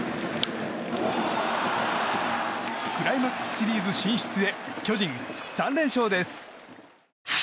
クライマックスシリーズ進出へ巨人、３連勝です。